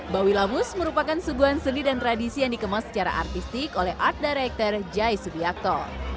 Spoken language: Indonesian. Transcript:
bawi lamus merupakan suguhan seni dan tradisi yang dikemas secara artistik oleh art director jai subiakto